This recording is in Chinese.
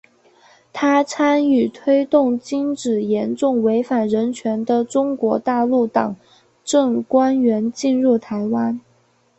她参与推动禁止严重违反人权的中国大陆党政官员进入台湾。